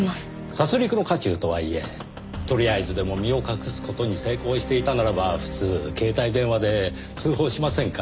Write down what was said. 殺戮の渦中とはいえとりあえずでも身を隠す事に成功していたならば普通携帯電話で通報しませんか？